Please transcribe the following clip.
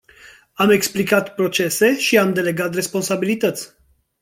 Am explicat procese și am delegat responsabilități.